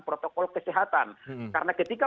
protokol kesehatan karena ketika